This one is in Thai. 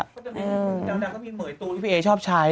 ก็จะมีดังนั้นมีเหมือตูที่พี่เอดย์ชอบใช้